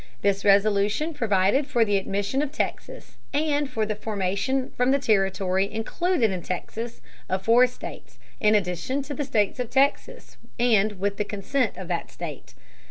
This resolution provided for the admission of Texas, and for the formation from the territory included in Texas of four states, in addition to the state of Texas, and with the consent of that state.